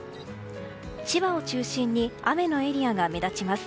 千葉を中心に雨のエリアが目立ちます。